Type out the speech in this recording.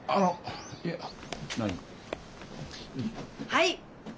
はい。